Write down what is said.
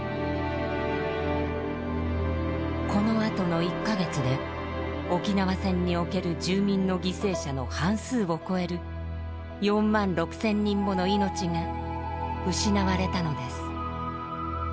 このあとの１か月で沖縄戦における住民の犠牲者の半数を超える４万６，０００人もの命が失われたのです。